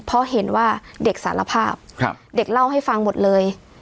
เพราะเห็นว่าเด็กสารภาพเด็กเล่าให้ฟังหมดเลย